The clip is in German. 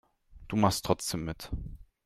Du machst trotzdem mit.